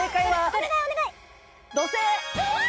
お願いお願い！